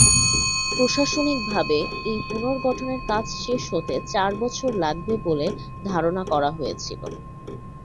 প্রশাসনিকভাবে এই পুনর্গঠনের কাজ শেষ হতে চার বছর লাগবে বলে ধারণা করা হয়েছিল।